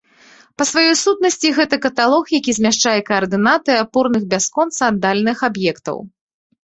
Па сваёй сутнасці гэта каталог, які змяшчае каардынаты апорных бясконца аддаленых аб'ектаў.